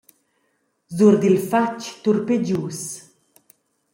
Sur dil fatg turpegius.